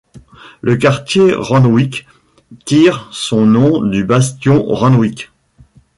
Le quartier Randwyck tire son nom du bastion Randwyck.